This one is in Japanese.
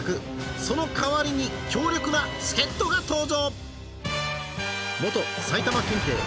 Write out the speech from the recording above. そのかわりに強力な助っ人が登場